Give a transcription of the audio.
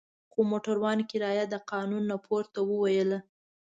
خو موټروان کرایه د قانون نه پورته وویله.